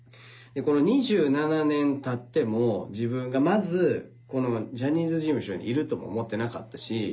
２７年たっても自分がまずこのジャニーズ事務所にいるとも思ってなかったし。